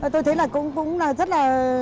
tôi thấy là cũng rất là